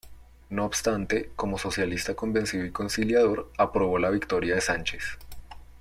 No obstante, como socialista convencido y conciliador, aprobó la victoria de Sánchez.